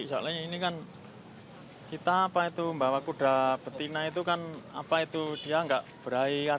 soalnya ini kan kita apa itu membawa kuda betina itu kan apa itu dia nggak berair